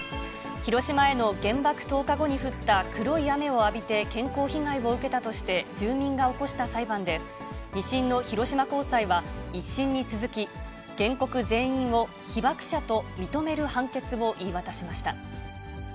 広島への原爆投下後に降った黒い雨を浴びて健康被害を受けたとして、住民が起こした裁判で、２審の広島高裁は、１審に続き、原告全員を被爆者と認める判決を言い渡しました。